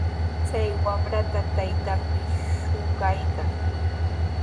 Chay wamrata taytanmi shuqaykan.